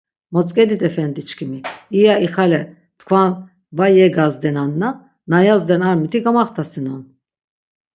Motzk̆edit efendiçkimi, iya ixale tkvan va yegazdenanna, na yazden ar miti gamaxtasinon.